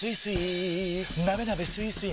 なべなべスイスイ